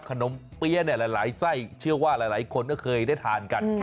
เปี๊ยะหลายไส้เชื่อว่าหลายคนก็เคยได้ทานกัน